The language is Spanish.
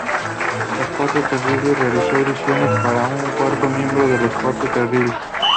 Los Cuatro Terribles realizó audiciones para un cuarto miembro de los Cuatro Terribles.